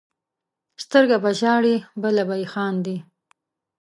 سترګه به یې ژاړي بله به یې خاندي.